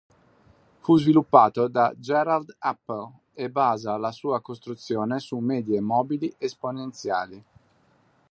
Fu sviluppato da Gerald Appel e basa la sua costruzione su medie mobili esponenziali.